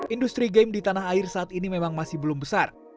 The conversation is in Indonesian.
industri game di tanah air saat ini memang masih belum besar